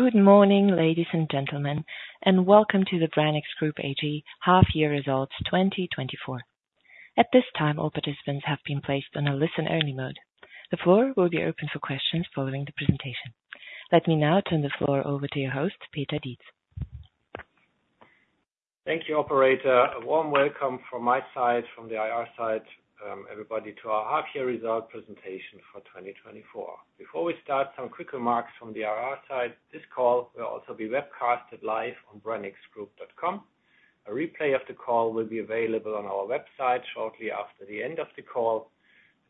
Good morning, ladies and gentlemen, and welcome to the Branicks Group AG half-year results 2024. At this time, all participants have been placed on a listen-only mode. The floor will be open for questions following the presentation. Let me now turn the floor over to your host, Peter Dietz. Thank you, operator. A warm welcome from my side, from the IR side, everybody, to our half year result presentation for twenty twenty-four. Before we start, some quick remarks from the IR side. This call will also be webcasted live on branicksgroup.com. A replay of the call will be available on our website shortly after the end of the call.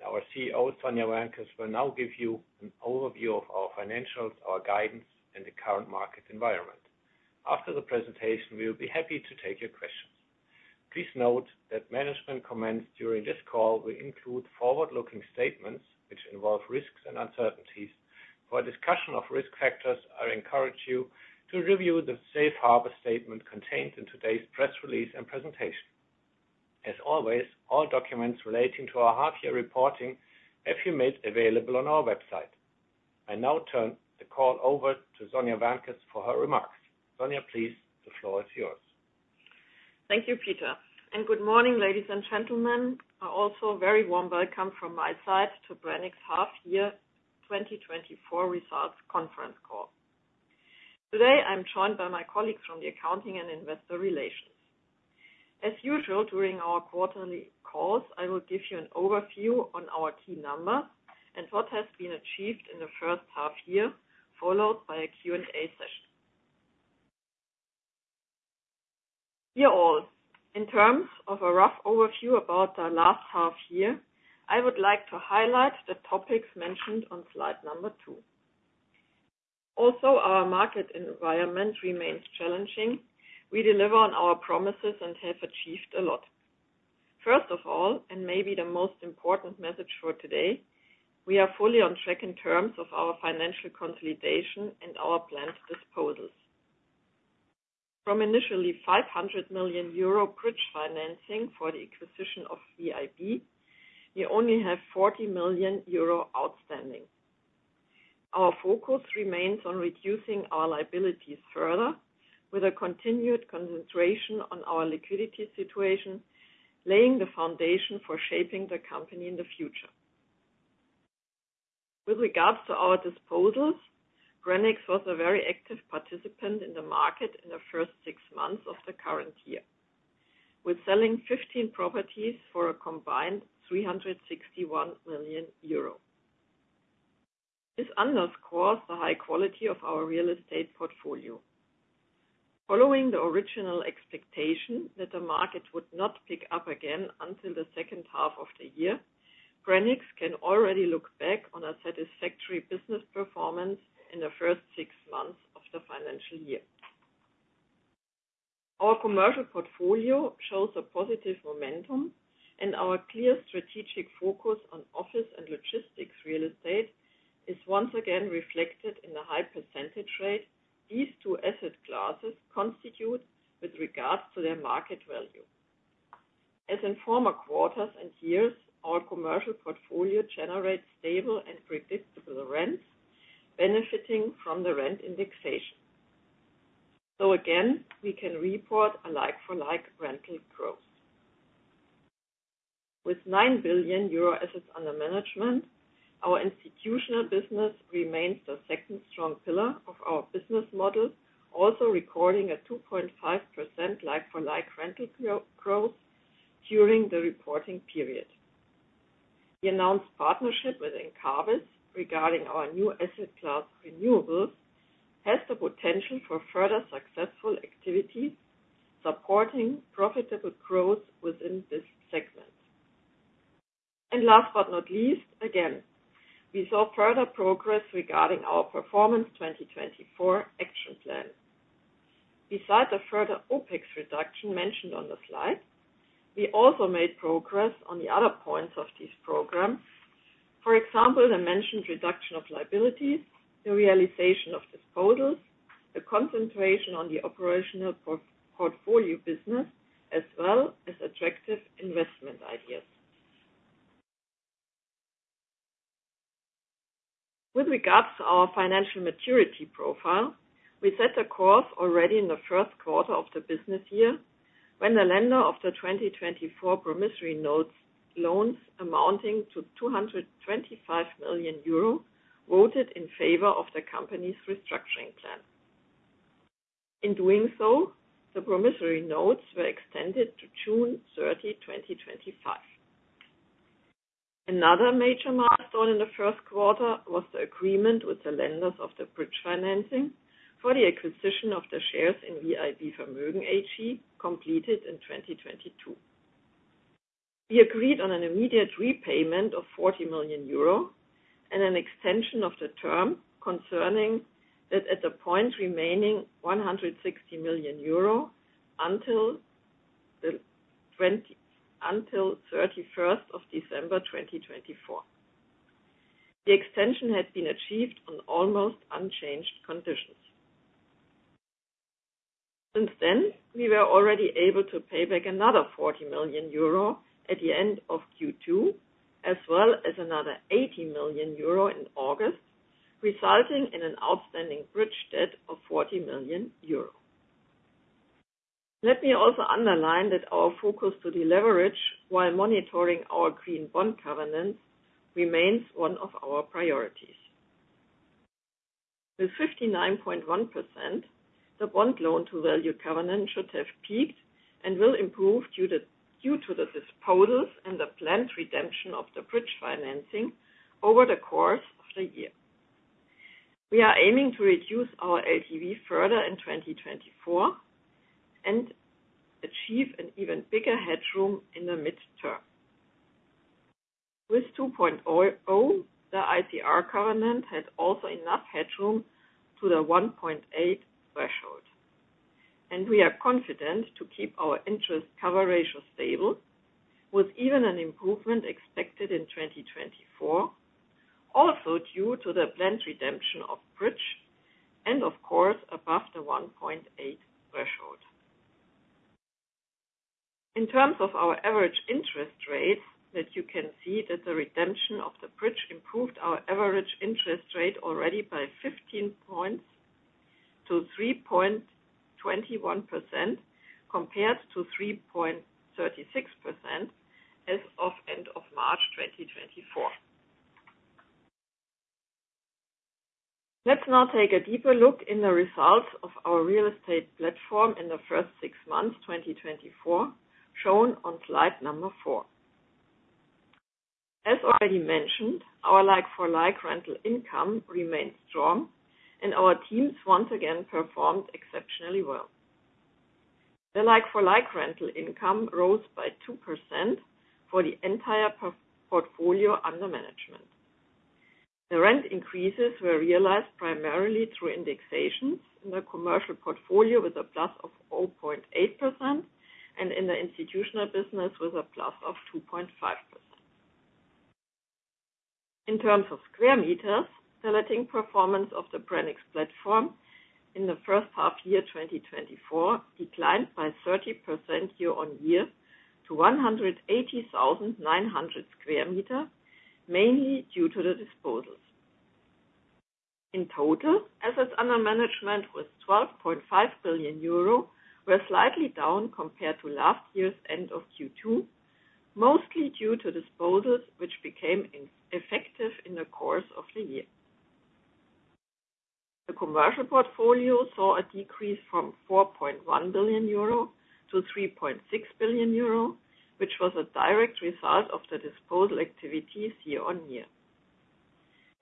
Our CEO, Sonja Wärntges, will now give you an overview of our financials, our guidance, and the current market environment. After the presentation, we'll be happy to take your questions. Please note that management comments during this call will include forward-looking statements, which involve risks and uncertainties. For a discussion of risk factors, I encourage you to review the safe harbor statement contained in today's press release and presentation. As always, all documents relating to our half year reporting have been made available on our website. I now turn the call over to Sonja Wärntges for her remarks. Sonja, please, the floor is yours. Thank you, Peter, and good morning, ladies and gentlemen. Also, a very warm welcome from my side to Branicks half year twenty twenty-four results conference call. Today, I'm joined by my colleagues from the accounting and investor relations. As usual, during our quarterly calls, I will give you an overview on our key numbers and what has been achieved in the first half year, followed by a Q&A session. Dear all, in terms of a rough overview about the last half year, I would like to highlight the topics mentioned on slide number two. Also, our market environment remains challenging. We deliver on our promises and have achieved a lot. First of all, and maybe the most important message for today, we are fully on track in terms of our financial consolidation and our planned disposals. From initially 500 million euro bridge financing for the acquisition of VIB, we only have 40 million euro outstanding. Our focus remains on reducing our liabilities further, with a continued concentration on our liquidity situation, laying the foundation for shaping the company in the future. With regards to our disposals, Branicks was a very active participant in the market in the first six months of the current year, with selling 15 properties for a combined 361 million euro. This underscores the high quality of our real estate portfolio. Following the original expectation that the market would not pick up again until the second half of the year, Branicks can already look back on a satisfactory business performance in the first six months of the financial year. Our commercial portfolio shows a positive momentum, and our clear strategic focus on office and logistics real estate is once again reflected in the high percentage rate these two asset classes constitute with regards to their market value. As in former quarters and years, our commercial portfolio generates stable and predictable rents, benefiting from the rent indexation. So again, we can report a like-for-like rental growth. With 9 billion euro assets under management, our institutional business remains the second strong pillar of our business model, also recording a 2.5% like-for-like rental growth during the reporting period. The announced partnership with Encavis regarding our new asset class renewables has the potential for further successful activities, supporting profitable growth within this segment, and last but not least, again, we saw further progress regarding our Performance 2024 action plan. Besides the further OPEX reduction mentioned on the slide, we also made progress on the other points of this program. For example, the mentioned reduction of liabilities, the realization of disposals, the concentration on the operational portfolio business, as well as attractive investment ideas. With regards to our financial maturity profile, we set a course already in the first quarter of the business year, when the lender of the 2024 promissory notes, loans amounting to 225 million euro, voted in favor of the company's restructuring plan. In doing so, the promissory notes were extended to June 30, 2025. Another major milestone in the first quarter was the agreement with the lenders of the bridge financing for the acquisition of the shares in VIB Vermögen AG, completed in 2022. We agreed on an immediate repayment of 40 million euro and an extension of the term concerning that at the point remaining 160 million euro until the 31st of December 2024. The extension had been achieved on almost unchanged conditions. Since then, we were already able to pay back another 40 million euro at the end of Q2, as well as another 80 million euro in August, resulting in an outstanding bridge debt of 40 million euro. Let me also underline that our focus to deleverage while monitoring our green bond covenants remains one of our priorities. With 59.1%, the bond loan-to-value covenant should have peaked and will improve due to the disposals and the planned redemption of the bridge financing over the course of the year. We are aiming to reduce our LTV further in 2024, and achieve an even bigger headroom in the midterm. With 2.00, the ICR covenant has also enough headroom to the 1.8 threshold, and we are confident to keep our interest cover ratio stable, with even an improvement expected in 2024, also due to the planned redemption of bridge and of course, above the 1.8 threshold. In terms of our average interest rates, that you can see that the redemption of the bridge improved our average interest rate already by 15 points to 3.21%, compared to 3.36% as of end of March 2024. Let's now take a deeper look in the results of our real estate platform in the first six months, 2024, shown on slide number 4. As already mentioned, our like-for-like rental income remains strong, and our teams once again performed exceptionally well. The like-for-like rental income rose by 2% for the entire portfolio under management. The rent increases were realized primarily through indexations in the commercial portfolio with a plus of 0.8%, and in the institutional business with a plus of 2.5%. In terms of square meters, the letting performance of the Branicks platform in the first half year, 2024, declined by 30% year-on-year to 180,900 square meters, mainly due to the disposals. In total, assets under management with 12.5 billion euro were slightly down compared to last year's end of Q2, mostly due to disposals, which became ineffective in the course of the year. The commercial portfolio saw a decrease from 4.1 billion euro to 3.6 billion euro, which was a direct result of the disposal activities year-on-year.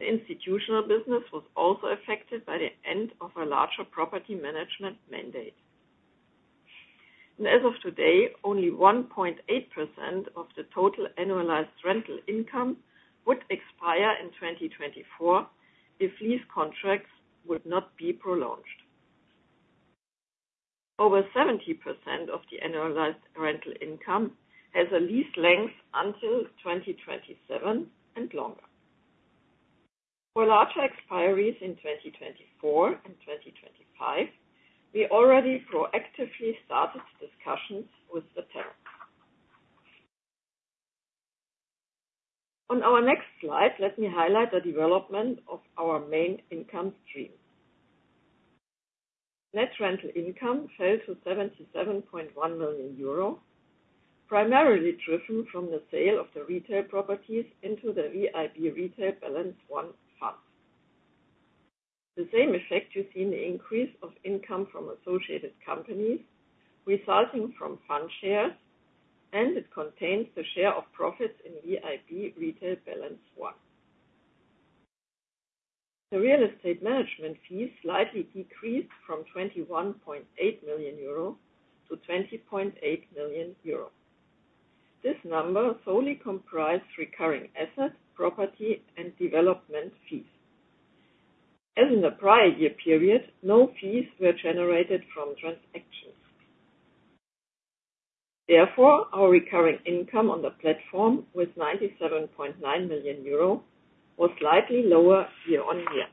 The institutional business was also affected by the end of a larger property management mandate, and as of today, only 1.8% of the total annualized rental income would expire in 2024 if lease contracts would not be prolonged. Over 70% of the annualized rental income has a lease length until 2027 and longer. For larger expiries in 2024 and 2025, we already proactively started discussions with the tenant. On our next slide, let me highlight the development of our main income stream. Net rental income fell to 77.1 million euro, primarily driven from the sale of the retail properties into the VIB Retail Balance I fund. The same effect you see in the increase of income from associated companies, resulting from fund shares, and it contains the share of profits in VIB Retail Balance I. The real estate management fees slightly decreased from 21.8 million euro to 20.8 million euro. This number solely comprised recurring asset, property, and development fees. As in the prior year period, no fees were generated from transactions. Therefore, our recurring income on the platform, with 97.9 million euro, was slightly lower year-on-year.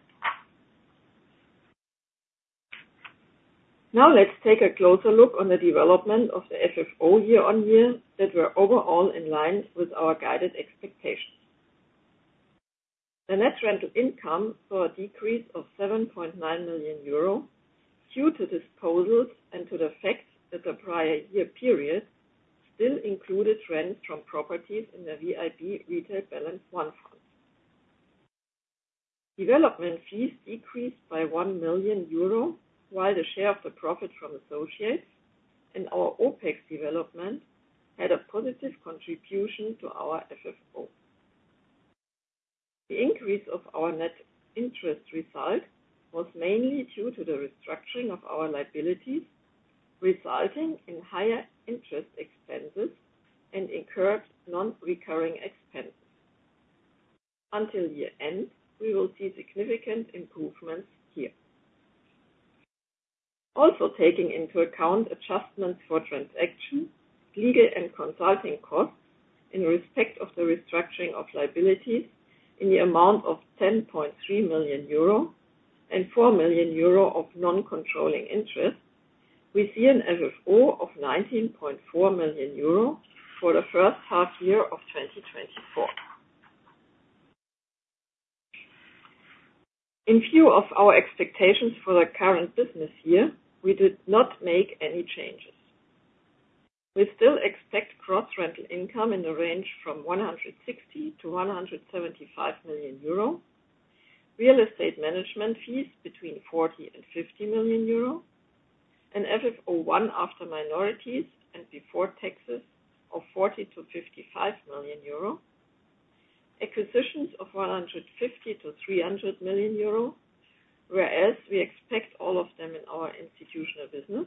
Now, let's take a closer look on the development of the FFO year-on-year that were overall in line with our guided expectations. The net rental income saw a decrease of 7.9 million euro due to disposals and to the fact that the prior year period still included rents from properties in the VIB Retail Balance I fund. Development fees decreased by 1 million euro, while the share of the profit from associates and our OPEX development had a positive contribution to our FFO. The increase of our net interest result was mainly due to the restructuring of our liabilities, resulting in higher interest expenses and incurred non-recurring expenses. Until year-end, we will see significant improvements here. Also, taking into account adjustments for transactions, legal and consulting costs in respect of the restructuring of liabilities in the amount of 10.3 million euro and 4 million euro of non-controlling interest, we see an FFO of 19.4 million euro for the first half year of 2024. In view of our expectations for the current business year, we did not make any changes. We still expect gross rental income in the range from 160-175 million euro, real estate management fees between 40 and 50 million, an FFO 1 after minorities and before taxes of 40-55 million euro, acquisitions of 150-300 million euro, whereas we expect all of them in our institutional business,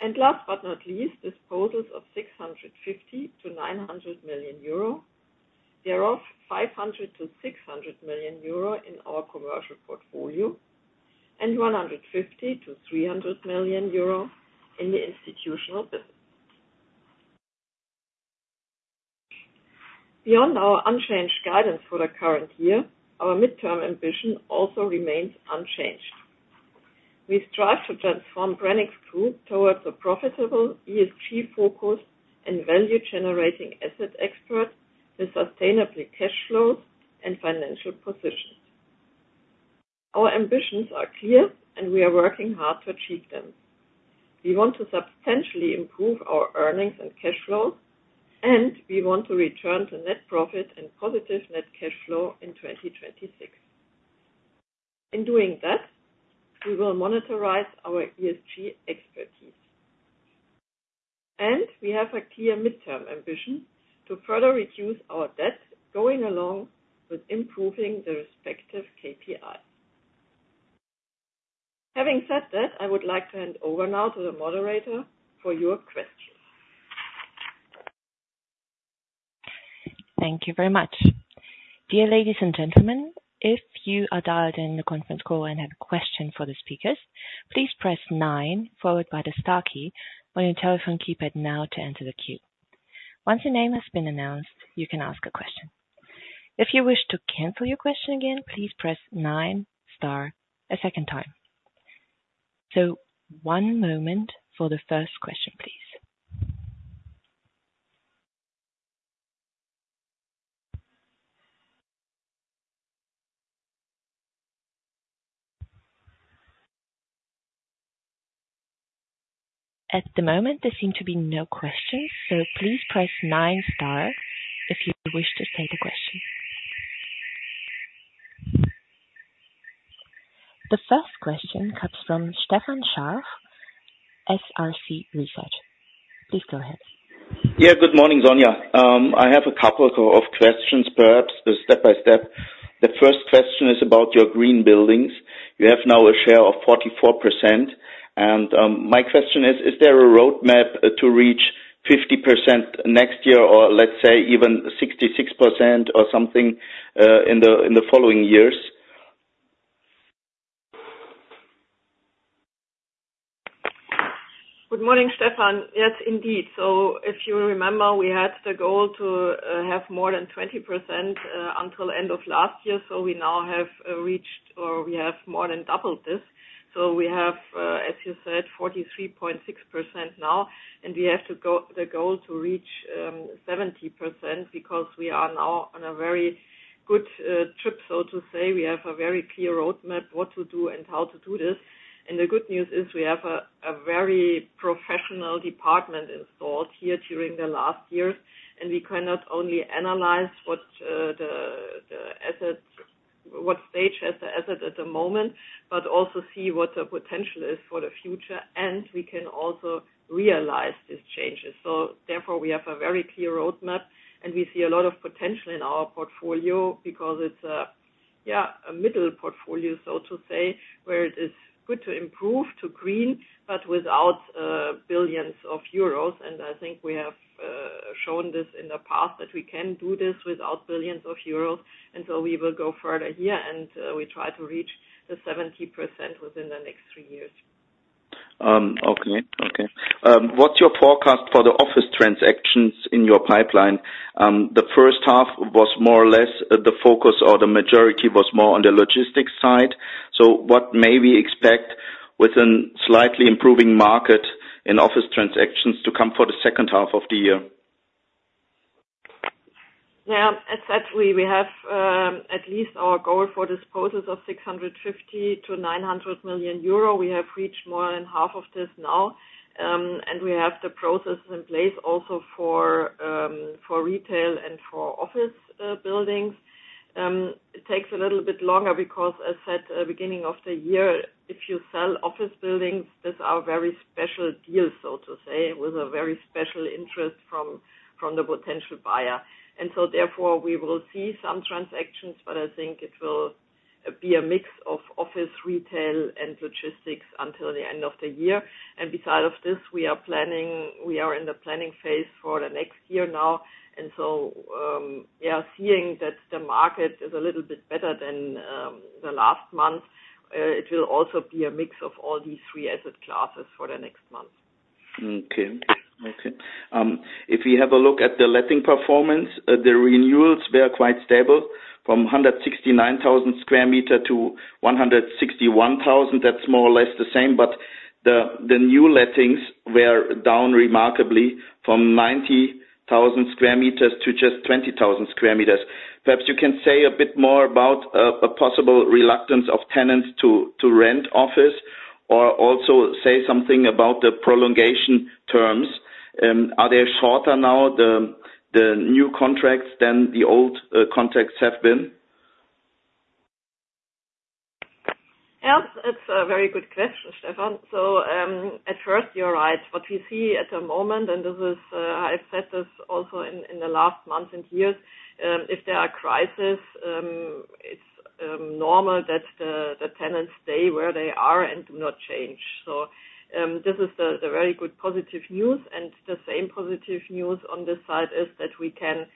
and last but not least, disposals of 650-900 million euro. Thereof, 500-600 million euro in our commercial portfolio, and 150-300 million euro in the institutional business. Beyond our unchanged guidance for the current year, our midterm ambition also remains unchanged. We strive to transform Branicks Group towards a profitable ESG focus and value generating asset expert with sustainable cash flows and financial positions. Our ambitions are clear, and we are working hard to achieve them. We want to substantially improve our earnings and cash flows, and we want to return to net profit and positive net cash flow in 2026. In doing that, we will monetize our ESG expertise, and we have a clear midterm ambition to further reduce our debt, going along with improving the respective KPI. Having said that, I would like to hand over now to the moderator for your questions. Thank you very much. Dear ladies and gentlemen, if you are dialed in the conference call and have a question for the speakers, please press nine, followed by the star key on your telephone keypad now to enter the queue. Once your name has been announced, you can ask a question. If you wish to cancel your question again, please press nine, star a second time. So one moment for the first question, please. At the moment, there seem to be no questions, so please press nine, star, if you wish to state a question. The first question comes from Stefan Scharf, SRC Research. Please go ahead. Yeah, good morning, Sonja. I have a couple of questions, perhaps, step by step. The first question is about your green buildings. You have now a share of 44%, and my question is: Is there a roadmap to reach 50% next year, or let's say even 66% or something in the following years? Good morning, Stefan. Yes, indeed. So if you remember, we had the goal to have more than 20% until end of last year, so we now have reached, or we have more than doubled this. So we have, as you said, 43.6% now, and we have to go the goal to reach 70%, because we are now on a very good trip, so to say. We have a very clear roadmap, what to do and how to do this. And the good news is we have a very professional department installed here during the last years, and we can not only analyze what the assets, what stage has the asset at the moment, but also see what the potential is for the future, and we can also realize these changes. So therefore, we have a very clear roadmap, and we see a lot of potential in our portfolio because it's a, yeah, a middle portfolio, so to say, where it is good to improve, to green, but without billions of euros, and I think we have shown this in the past, that we can do this without billions of euros, and so we will go further here, and we try to reach the 70% within the next three years. What's your forecast for the office transactions in your pipeline? The first half was more or less the focus, or the majority was more on the logistics side. So what may we expect within slightly improving market in office transactions to come for the second half of the year? Yeah, as said, we have at least our goal for disposals of 650 million-900 million euro. We have reached more than half of this now, and we have the processes in place also for retail and for office buildings. It takes a little bit longer because as said, at beginning of the year, if you sell office buildings, these are very special deals, so to say, with a very special interest from the potential buyer. And so therefore, we will see some transactions, but I think it will be a mix of office, retail, and logistics until the end of the year. Besides this, we are planning. We are in the planning phase for the next year now, and so, seeing that the market is a little bit better than the last month, it will also be a mix of all these three asset classes for the next month.... Okay, okay. If you have a look at the letting performance, the renewals were quite stable from one hundred and sixty-nine thousand square meter to one hundred and sixty-one thousand. That's more or less the same, but the new lettings were down remarkably from ninety thousand square meters to just twenty thousand square meters. Perhaps you can say a bit more about a possible reluctance of tenants to rent office, or also say something about the prolongation terms. Are they shorter now, the new contracts than the old contracts have been? Yeah, that's a very good question, Stefan. So, at first, you're right. What we see at the moment, and this is, I've said this also in the last month and years, if there are crises, it's normal that the tenants stay where they are and do not change. So, this is the very good positive news, and the same positive news on this side is that we can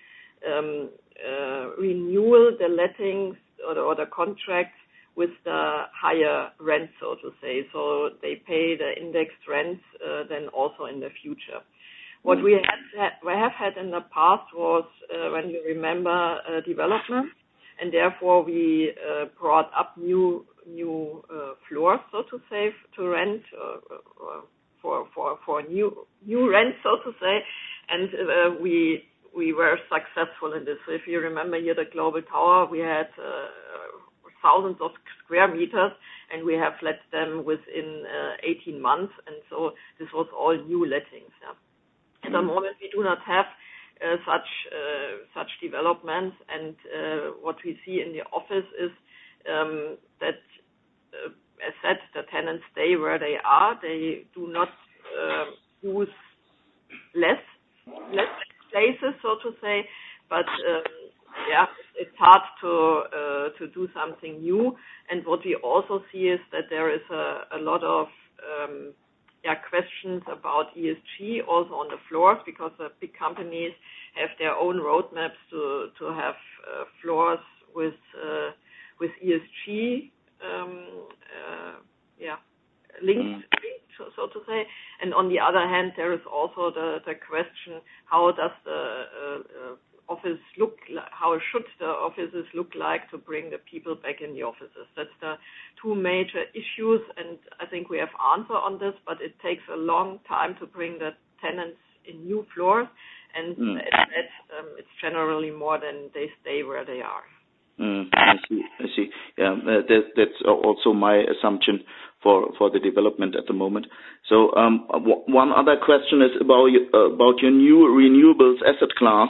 renew the lettings or the contracts with the higher rent, so to say, so they pay the indexed rent, then also in the future. What we had, we have had in the past was, when you remember, development, and therefore we brought up new floors, so to say, to rent for new rent, so to say, and we were successful in this. So if you remember here, the Global Tower, we had thousands of sq m, and we have let them within 18 months, and so this was all new lettings, yeah. At the moment, we do not have such developments, and what we see in the office is that, as said, the tenants stay where they are. They do not use less spaces, so to say. But yeah, it's hard to do something new. And what we also see is that there is a lot of questions about ESG also on the floors, because the big companies have their own roadmaps to have floors with ESG linked, so to say. And on the other hand, there is also the question: how does the office look like? How should the offices look like to bring the people back in the offices? That's the two major issues, and I think we have answer on this, but it takes a long time to bring the tenants in new floors. Mm. It's generally more than they stay where they are. I see. I see. Yeah, that's also my assumption for the development at the moment. So, one other question is about your new renewables asset class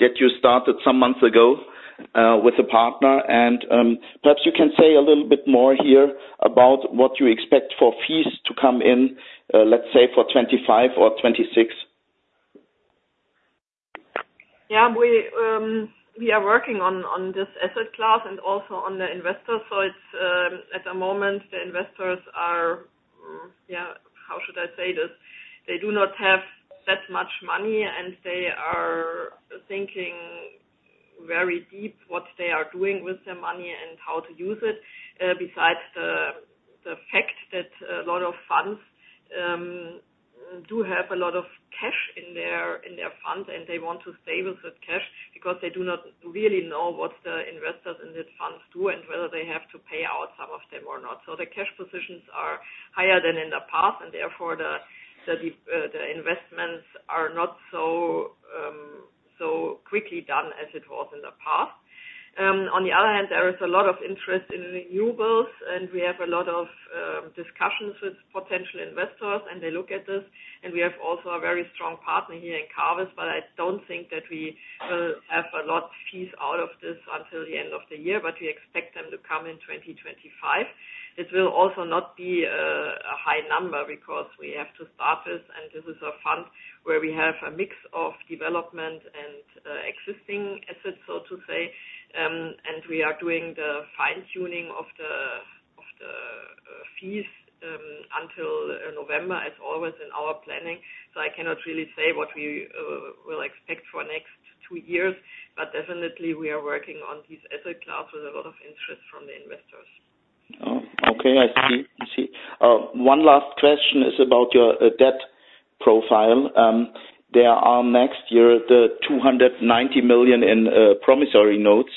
that you started some months ago with a partner. And, perhaps you can say a little bit more here about what you expect for fees to come in, let's say, for 2025 or 2026. Yeah, we are working on this asset class and also on the investors. So it's at the moment, the investors are, yeah, how should I say this? They do not have that much money, and they are thinking very deep what they are doing with their money and how to use it. Besides the fact that a lot of funds do have a lot of cash in their funds, and they want to stay with that cash because they do not really know what the investors in these funds do and whether they have to pay out some of them or not. So the cash positions are higher than in the past, and therefore, the investments are not so quickly done as it was in the past. On the other hand, there is a lot of interest in renewables, and we have a lot of discussions with potential investors, and they look at this, and we have also a very strong partner here in Encavis, but I don't think that we will have a lot fees out of this until the end of the year, but we expect them to come in twenty twenty-five. It will also not be a high number because we have to start this, and this is a fund where we have a mix of development and existing assets, so to say. We are doing the fine-tuning of the fees until November, as always in our planning. So I cannot really say what we will expect for next two years, but definitely we are working on this asset class with a lot of interest from the investors. Oh, okay, I see. I see. One last question is about your debt profile. There are next year the 290 million in promissory notes.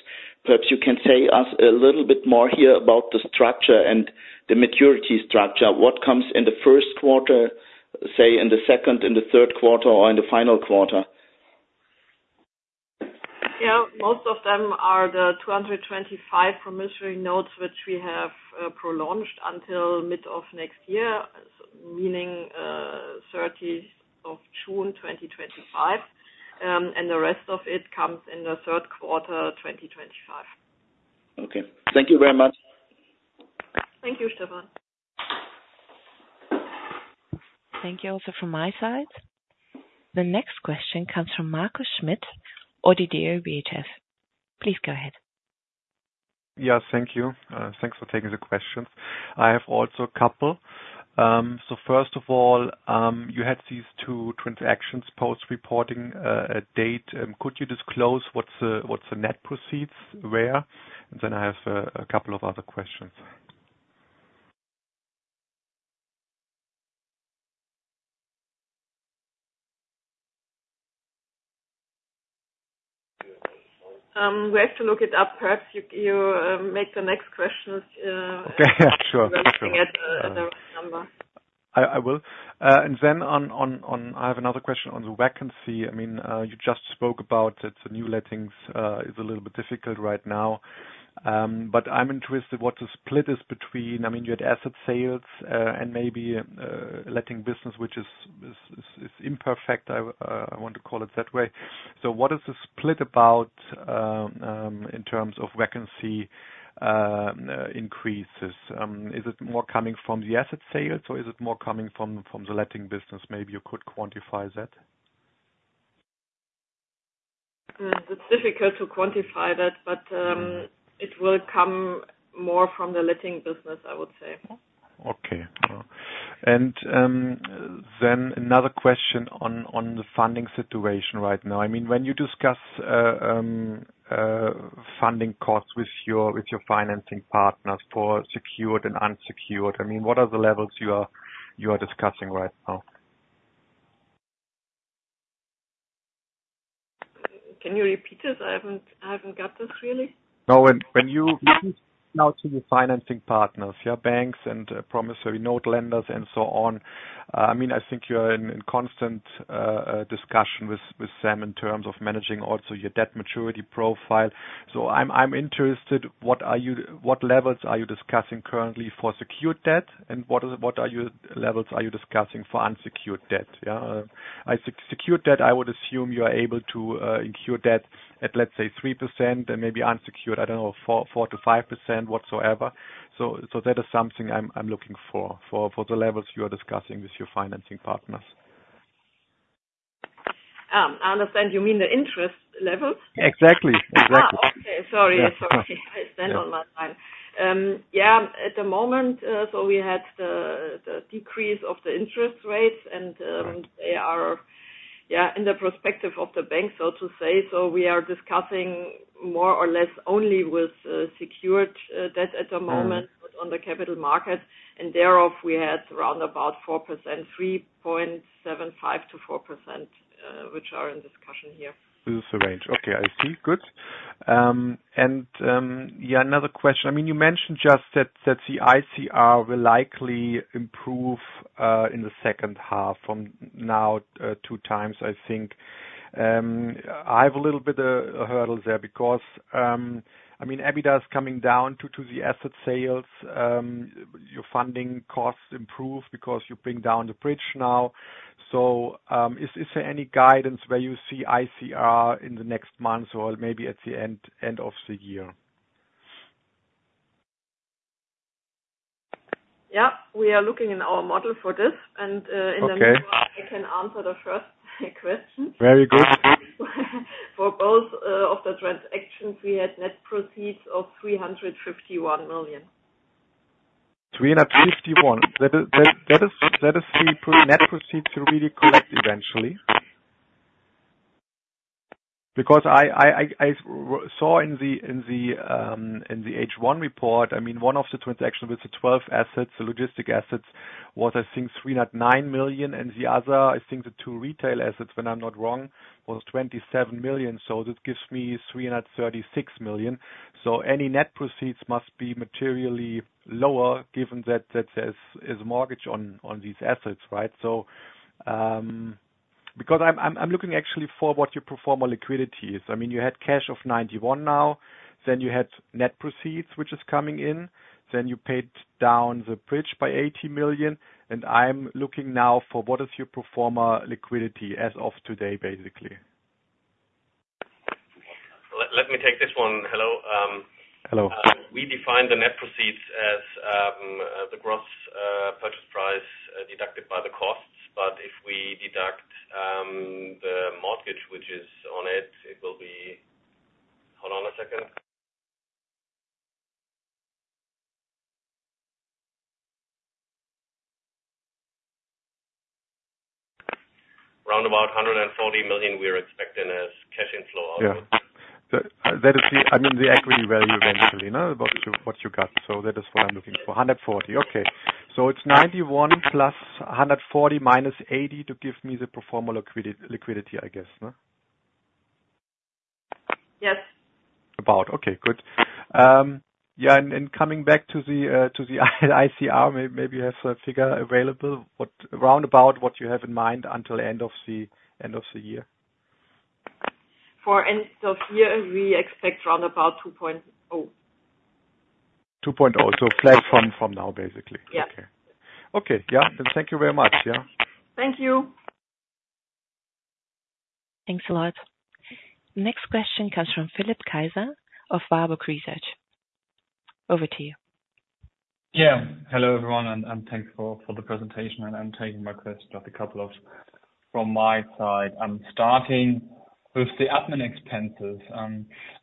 Perhaps you can say us a little bit more here about the structure and the maturity structure. What comes in the first quarter, say, in the second, in the third quarter, or in the final quarter? Yeah. Most of them are the two hundred and twenty-five promissory notes, which we have prolonged until mid of next year, meaning thirtieth of June 2025. And the rest of it comes in the third quarter, twenty twenty-five. Okay. Thank you very much. Thank you, Stefan. Thank you, also from my side. The next question comes from Markus Schmitt, ODDO BHF. Please go ahead. Yeah, thank you. Thanks for taking the questions. I have also a couple. So first of all, you had these two transactions post-reporting date. Could you disclose what's the net proceeds where? And then I have a couple of other questions. ... We have to look it up. Perhaps you make the next questions. Okay, yeah, sure. Looking at the right number. I will. I have another question on the vacancy. I mean, you just spoke about it, the new lettings is a little bit difficult right now, but I'm interested what the split is between - I mean, you had asset sales and maybe letting business, which is imperfect. I want to call it that way, so what is the split about in terms of vacancy increases? Is it more coming from the asset sales, or is it more coming from the letting business? Maybe you could quantify that. It's difficult to quantify that, but, it will come more from the letting business, I would say. Okay. Another question on the funding situation right now. I mean, when you discuss funding costs with your financing partners for secured and unsecured, I mean, what are the levels you are discussing right now? Can you repeat this? I haven't got this really. No, when you talk to your financing partners, your banks and promissory note lenders and so on, I mean, I think you're in constant discussion with them in terms of managing also your debt maturity profile. So I'm interested, what levels are you discussing currently for secured debt? And what levels are you discussing for unsecured debt? Yeah, secured debt, I would assume you are able to incur debt at, let's say, 3% and maybe unsecured, I don't know, 4%-5% whatsoever. So that is something I'm looking for, for the levels you are discussing with your financing partners. I understand, you mean the interest levels? Exactly. Ah, okay. Sorry. I spent all my time. Yeah, at the moment, so we had the decrease of the interest rates, and- Right... they are, yeah, in the perspective of the bank, so to say. So we are discussing more or less only with secured debt at the moment- Mm - on the capital market, and thereof, we had around about 4%, 3.75%-4%, which are in discussion here. This is the range. Okay, I see. Good. And, yeah, another question. I mean, you mentioned just that the ICR will likely improve in the second half from now two times, I think. I have a little bit of a hurdle there because I mean, EBITDA is coming down due to the asset sales. Your funding costs improve because you bring down the bridge now. So, is there any guidance where you see ICR in the next months or maybe at the end of the year? Yeah, we are looking in our model for this, and. Okay... in the meantime, I can answer the first question. Very good. For both of the transactions, we had net proceeds of 351 million. 351. That is the net proceeds you really collect eventually? Because I saw in the H1 report, I mean, one of the transactions with the 12 assets, the logistics assets, was I think 309 million, and the other, I think the two retail assets, if I'm not wrong, was 27 million. So that gives me 336 million. So any net proceeds must be materially lower, given that there's a mortgage on these assets, right? So, because I'm looking actually for what your pro forma liquidity is. I mean, you had cash of 91 now, then you had net proceeds, which is coming in, then you paid down the bridge by 80 million, and I'm looking now for what is your pro forma liquidity as of today, basically. Let me take this one. Hello, Hello. We define the net proceeds as the gross purchase price deducted by the costs. But if we deduct the mortgage, which is on it, it will be... Hold on a second. Round about 140 million, we are expecting as cash inflow also. Yeah. That is the, I mean, the equity value eventually, no? What you got. So that is what I'm looking for. 140. Okay. So it's 91 plus 140 minus 80 to give me the pro forma liquidity, I guess, no? Yes. Okay, good. Yeah, and coming back to the ICR, maybe you have a figure available, what round about what you have in mind until end of the year. For end of year, we expect around about two point oh. 2.0, so flat from now, basically. Yeah. Okay. Yeah, and thank you very much, yeah. Thank you. Thanks a lot. Next question comes from Philipp Kaiser of Warburg Research. Over to you. Yeah. Hello, everyone, and thanks for the presentation. I'm taking my question, just a couple from my side. I'm starting with the admin expenses.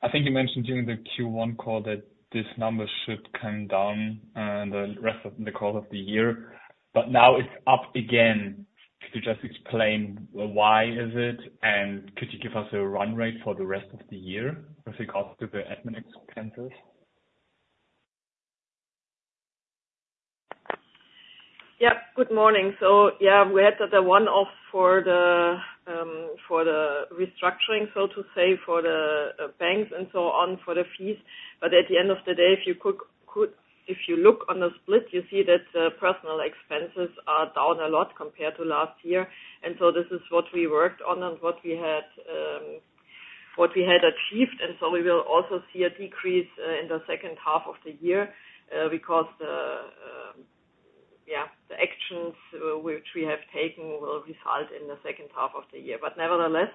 I think you mentioned during the Q1 call that this number should come down, the rest of the course of the year, but now it's up again. Could you just explain why is it, and could you give us a run rate for the rest of the year with regards to the admin expenses? Yep, good morning. So, yeah, we had the one-off for the restructuring, so to say, for the banks and so on, for the fees. But at the end of the day, if you look on the split, you see that personnel expenses are down a lot compared to last year. And so this is what we worked on and what we had achieved. And so we will also see a decrease in the second half of the year because the actions which we have taken will result in the second half of the year. But nevertheless,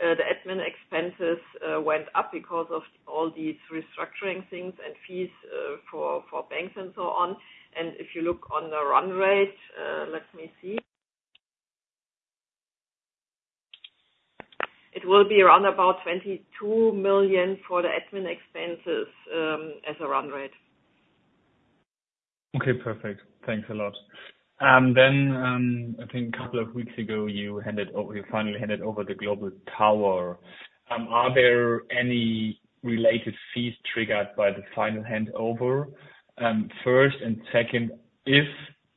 the admin expenses went up because of all these restructuring things and fees for banks and so on. And if you look on the run rate, let me see. It will be around about 22 million for the admin expenses, as a run rate. Okay, perfect. Thanks a lot. Then, I think a couple of weeks ago, you handed over, you finally handed over the Global Tower. Are there any related fees triggered by the final handover, first? And second,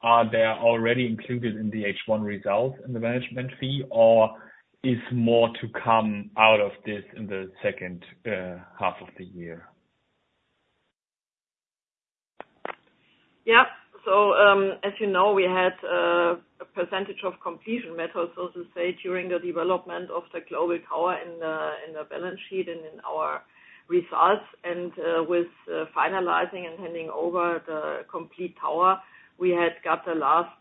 are they already included in the H1 results in the management fee, or is more to come out of this in the second half of the year? Yeah. As you know, we had a percentage of completion method, so to say, during the development of the Global Tower in the balance sheet and in our results. With finalizing and handing over the complete tower, we had got the last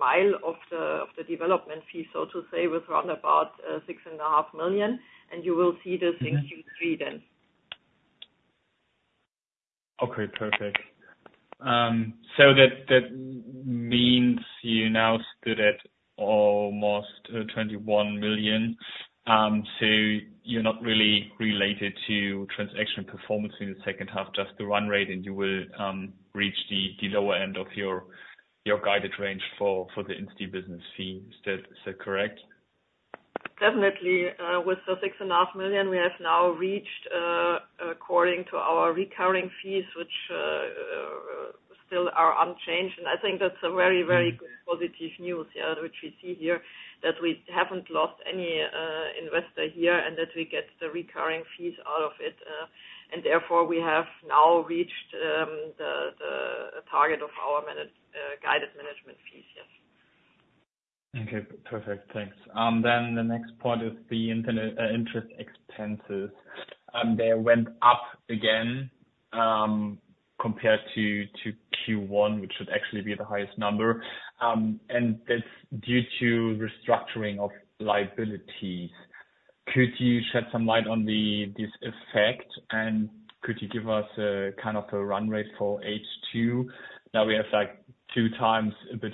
mile of the development fee, so to say, with around about 6.5 million, and you will see this in Q3 then. Okay, perfect. So that means you now stood at almost 21 million. So you're not really related to transaction performance in the second half, just the run rate, and you will reach the lower end of your guided range for the institutional business fee. Is that correct? Definitely. With the 6.5 million, we have now reached, according to our recurring fees, which still are unchanged. And I think that's a very, very good positive news, yeah, which we see here, that we haven't lost any investor here, and that we get the recurring fees out of it. And therefore, we have now reached the target of our guided management fees. Yes. Okay, perfect. Thanks. Then the next part is the interest expenses. They went up again, compared to Q1, which should actually be the highest number. And that's due to restructuring of liabilities. Could you shed some light on this effect, and could you give us a kind of a run rate for H2? Now, we have, like, two times a bit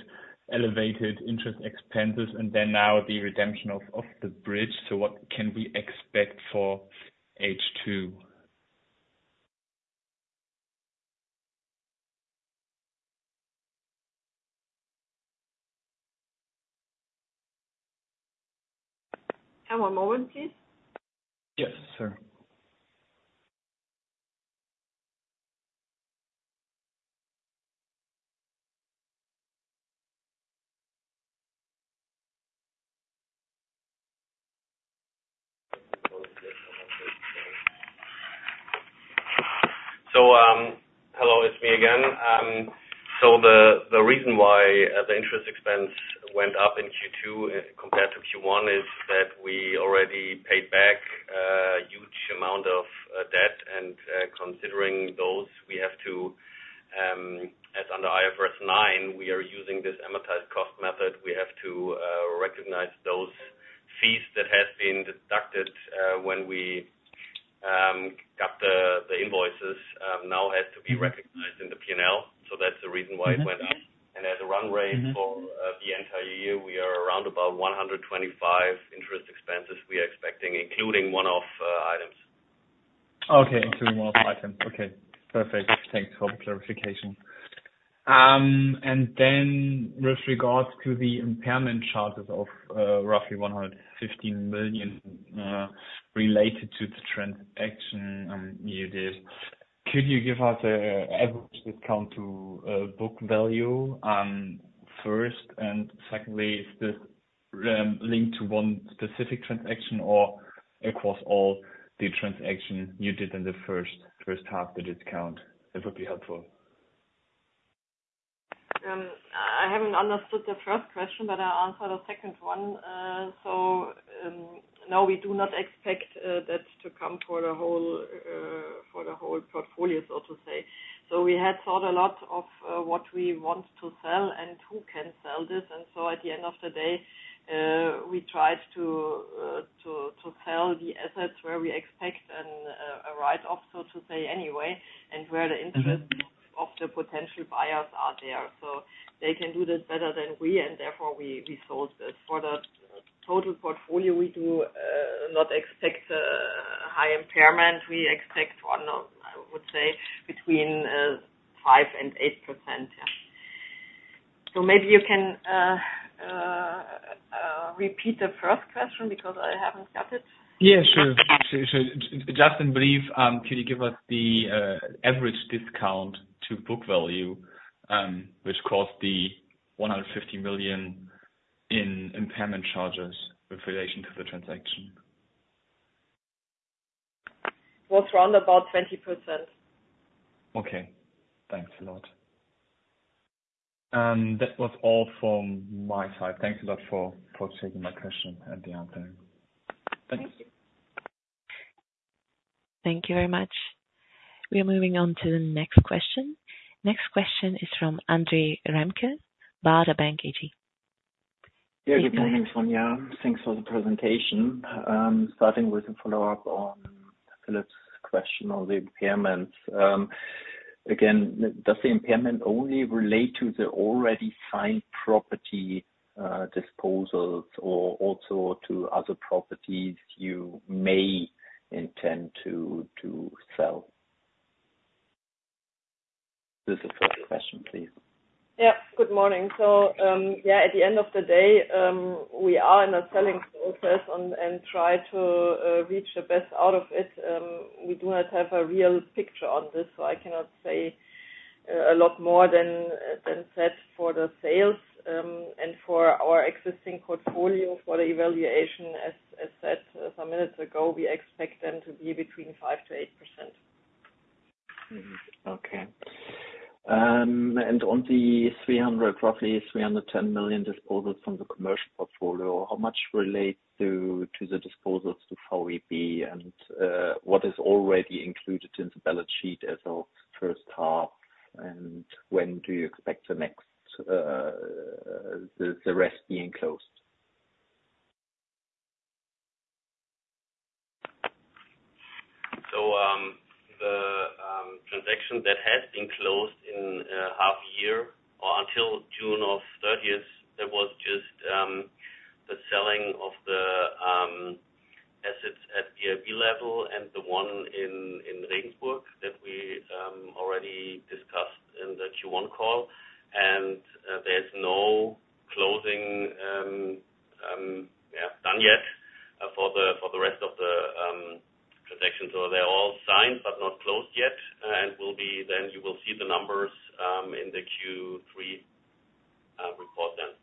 elevated interest expenses, and then now the redemption of the bridge. So what can we expect for H2? Have one moment, please. Yes, sure. Hello, it's me again. The reason why the interest expense went up in Q2 compared to Q1 is that we already paid back a huge amount of debt. And considering those, we have to, as under IFRS 9, we are using this amortized cost method. We have to recognize those fees that have been deducted when we got the invoices now have to be recognized in the P&L. That's the reason why it went up. Mm-hmm. And as a run rate- Mm-hmm... for the entire year, we are around about 125 interest expenses we are expecting, including one-off items. Okay, including one-off items. Okay, perfect. Thanks for the clarification. And then with regards to the impairment charges of roughly 115 million related to the transaction, could you give us an average discount to book value first? And secondly, is this linked to one specific transaction or across all the transactions you did in the first half, the discount? That would be helpful. I haven't understood the first question, but I'll answer the second one, no, we do not expect that to come for the whole portfolio, so to say, so we had thought a lot of what we want to sell and who can sell this, and so at the end of the day, we tried to sell the assets where we expect a write-off, so to say, anyway, and where the interest- Mm-hmm... of the potential buyers are there. So they can do this better than we, and therefore, we sold it. For the total portfolio, we do not expect a high impairment. We expect on. I would say between 5% and 8%, yeah. So maybe you can repeat the first question because I haven't got it. Yeah, sure. Sure, sure. Just in brief, can you give us the average discount to book value, which caused the 150 million in impairment charges with relation to the transaction? Was around about 20%. Okay, thanks a lot. That was all from my side. Thanks a lot for taking my question and the answer. Thank you. Thank you. Thank you very much. We are moving on to the next question. Next question is from André Remke, Baader Bank AG. Yeah, good morning, Sonja. Thanks for the presentation. Starting with a follow-up on Philip's question on the impairments. Again, does the impairment only relate to the already signed property disposals or also to other properties you may intend to sell? This is the first question, please. Yeah, good morning. So, yeah, at the end of the day, we are in a selling process and try to reach the best out of it. We do not have a real picture on this, so I cannot say a lot more than set for the sales. And for our existing portfolio, for the evaluation, as said some minutes ago, we expect them to be between 5%-8%. Mm-hmm. Okay, and on the 300 million, roughly 310 million disposals from the commercial portfolio, how much relates to the disposals to VIB? And what is already included in the balance sheet as of first half, and when do you expect the next, the rest being closed? The transaction that has been closed in half year or until June of thirtieth, there was just the selling of the assets at VIB level and the one in Regensburg that we already discussed in the Q1 call. There's no closing done yet for the rest of the transaction. They're all signed but not closed yet, and will be, then you will see the numbers in the Q3 report then.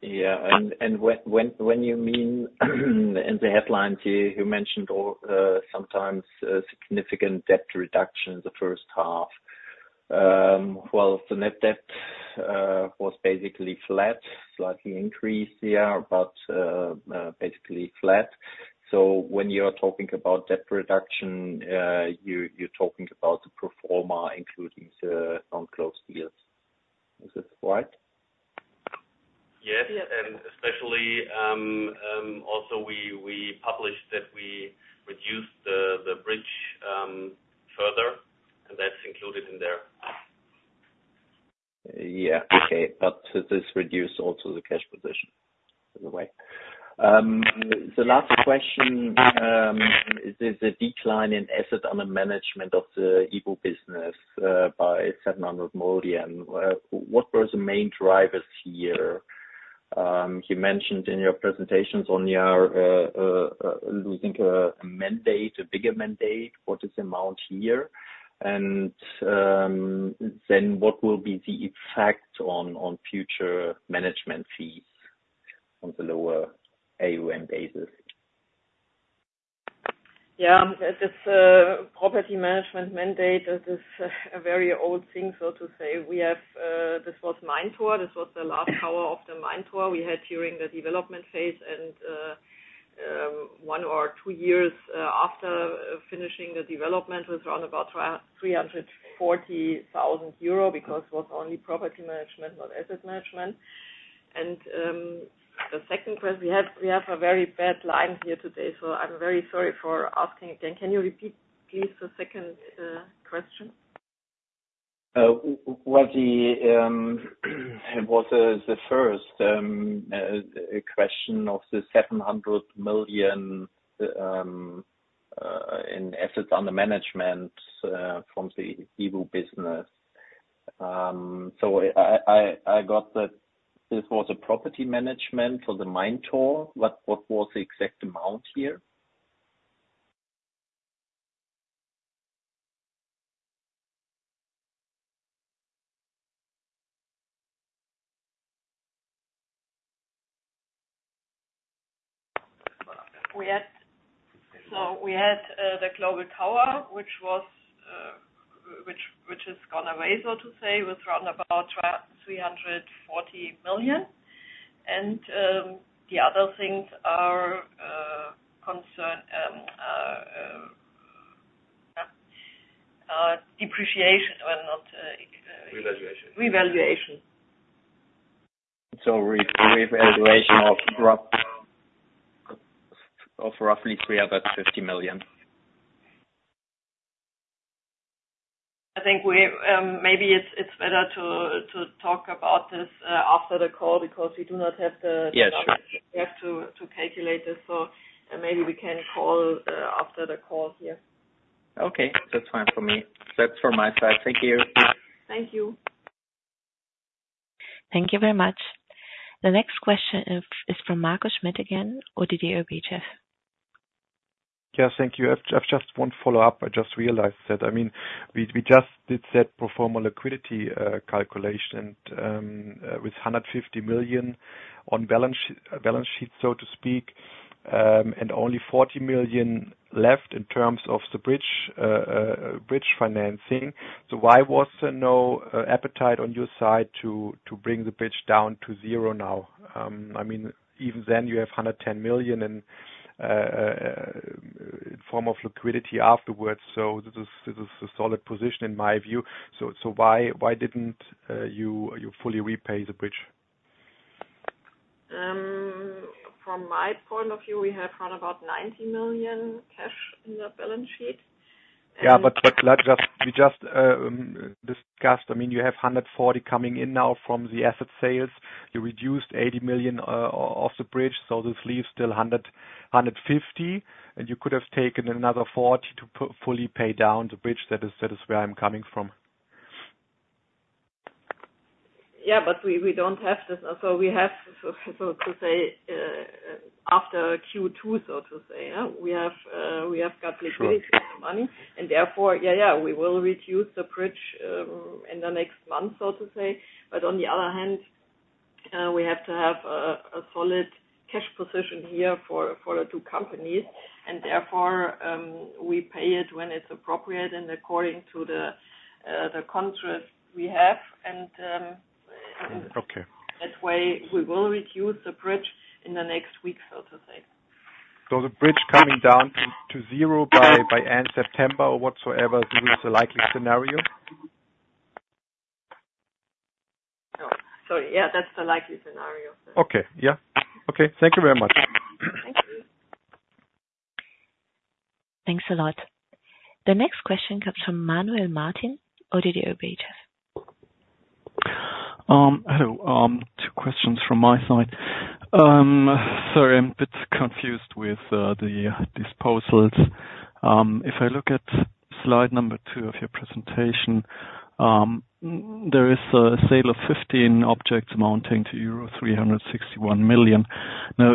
Yeah. And what do you mean? In the headlines, you mentioned also sometimes significant debt reduction in the first half. Well, the net debt was basically flat, slightly increased, yeah, but basically flat. So when you are talking about debt reduction, you're talking about the pro forma, including the non-closed deals. Is this right? Yes, and especially, also, we published that we reduced the bridge further, and that's included in there. Yeah, okay, but this reduced also the cash position, by the way. The last question is the decline in asset under management of the Evo business by 700 million. What were the main drivers here? You mentioned in your presentations on your losing a mandate, a bigger mandate. What is the amount here? And then what will be the effect on future management fees on the lower AUM basis? Yeah, this, property management mandate, this is a very old thing, so to say. We have, this was MainTor. This was the last tower of the MainTor we had during the development phase. And, one or two years, after finishing the development, it was around about 340,000 euro because it was only property management, not asset management. And, the second question, we have a very bad line here today, so I'm very sorry for asking again. Can you repeat, please, the second question? What? The first question of the 700 million in assets under management from the Evo business. So I got that this was a property management for the MainTor. What was the exact amount here? So we had the Global Tower, which has gone away, so to say, with around 340 million. And the other things are concerning depreciation. Well, not. Revaluation. Revaluation. Revaluation of roughly EUR 350 million. ... I think we maybe it's better to talk about this after the call because we do not have the- Yes, sure. We have to calculate this, so maybe we can call after the call here. Okay, that's fine for me. That's for my side. Thank you. Thank you. Thank you very much. The next question is from Markus Schmitt again, ODDO BHF. Yeah, thank you. I've just one follow-up. I just realized that, I mean, we just did that pro forma liquidity calculation with 150 million on balance sheet, so to speak, and only 40 million left in terms of the bridge financing. So why was there no appetite on your side to bring the bridge down to zero now? I mean, even then you have 110 million in form of liquidity afterwards, so this is a solid position in my view. So why didn't you fully repay the bridge? From my point of view, we have around about 90 million cash in the balance sheet. Yeah, but let's just, we just discussed, I mean, you have 140 coming in now from the asset sales. You reduced 80 million off the bridge, so this leaves still 150, and you could have taken another 40 to fully pay down the bridge. That is where I'm coming from. Yeah, but we don't have this. So we have, so to say, after Q2, so to say, yeah, we have, we have got liquidity- Sure. - money, and therefore, yeah, yeah, we will reduce the bridge in the next month, so to say. But on the other hand, we have to have a solid cash position here for the two companies, and therefore, we pay it when it's appropriate and according to the contracts we have, and Okay. That way, we will reduce the bridge in the next week, so to say. So the bridge coming down to zero by end September or whatsoever, this is the likely scenario? Yeah, that's the likely scenario. Okay. Yeah. Okay. Thank you very much. Thank you. Thanks a lot. The next question comes from Manuel Martin, ODDO BHF. Hello. Two questions from my side. Sorry, I'm a bit confused with the disposals. If I look at slide number two of your presentation, there is a sale of 15 objects amounting to euro 361 million. Now,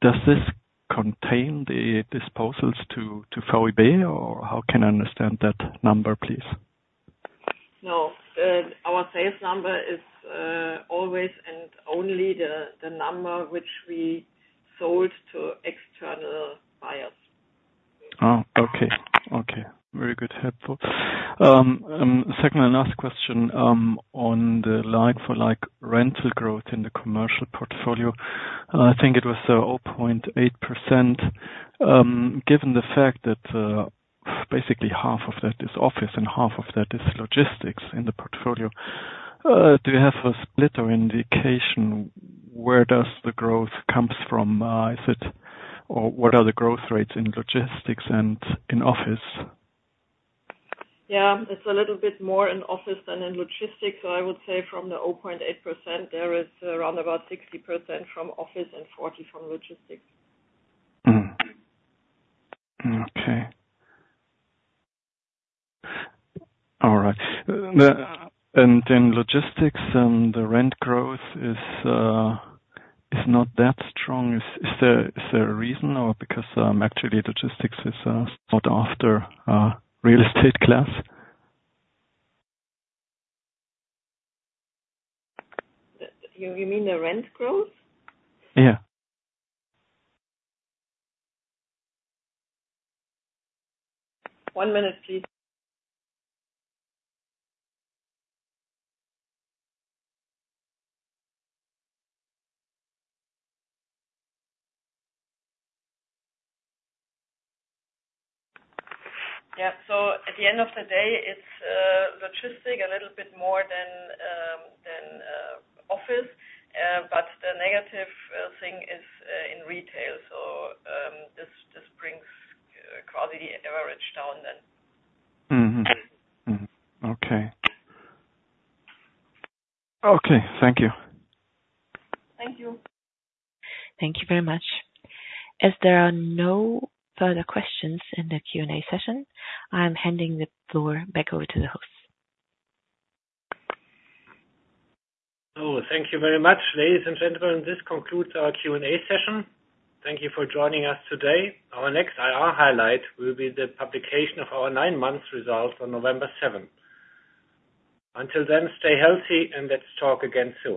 does this contain the disposals to, to VIB, or how can I understand that number, please? No. Our sales number is always and only the number which we sold to external buyers. Oh, okay. Okay. Very good. Helpful. Second and last question on the line for, like, rental growth in the commercial portfolio, and I think it was 0.8%. Given the fact that basically half of that is office and half of that is logistics in the portfolio, do you have a split or indication where does the growth comes from? Is it... Or what are the growth rates in logistics and in office? Yeah, it's a little bit more in office than in logistics. So I would say from the 0.8%, there is around about 60% from office and 40% from logistics. Okay. All right. In logistics and the rent growth is not that strong. Is there a reason or because actually logistics is sought after asset class? You mean the rent growth? Yeah. One minute, please. Yeah. So at the end of the day, it's logistics a little bit more than office. But the negative thing is in retail. So this brings quality and average down then. Mm-hmm. Mm-hmm, okay. Okay, thank you. Thank you. Thank you very much. As there are no further questions in the Q&A session, I'm handing the floor back over to the host. So thank you very much, ladies and gentlemen. This concludes our Q&A session. Thank you for joining us today. Our next IR highlight will be the publication of our nine months results on November seventh. Until then, stay healthy, and let's talk again soon.